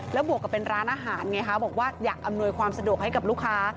แล้วบวกกับเป็นร้านอาหารไงคะบอกว่าอยากอำนวยความสะดวกให้กับลูกค้า